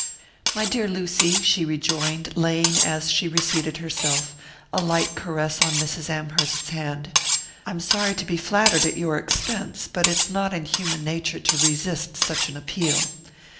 "My dear Lucy," she rejoined, laying, as she reseated herself, a light caress on Mrs. Amherst's hand, "I'm sorry to be flattered at your expense, but it's not in human nature to resist such an appeal.